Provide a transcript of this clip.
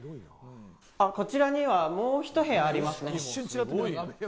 こちらには、もうひと部屋ありますね。